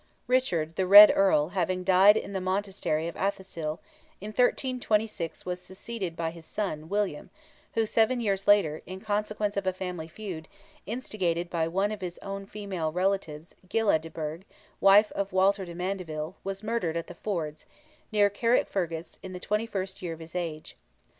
Richard, the Red Earl, having died in the Monastery of Athassil, in 1326, was succeeded by his son, William, who, seven years later, in consequence of a family feud, instigated by one of his own female relatives, Gilla de Burgh, wife of Walter de Mandeville, was murdered at the Fords, near Carrickfergus, in the 21st year of his age.